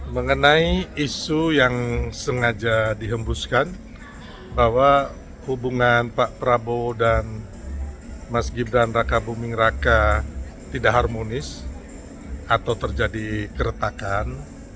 mengenai isu yang sengaja dihembuskan bahwa hubungan pak prabowo dan mas gibran raka buming raka tidak harmonis atau terjadi keretakan